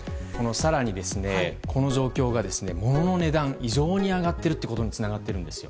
更にこの状況が物の値段異常に上がっていることにつながっているんですよ。